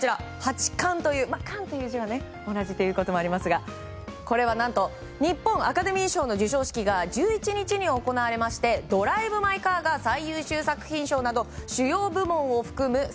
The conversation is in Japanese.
８冠ということでこれは、日本アカデミー賞の授賞式が１１日に行われまして「ドライブ・マイ・カー」が最優秀作品賞など主要部門を含む